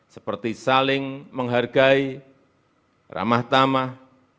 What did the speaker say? seperti saling menghargai ramah tamah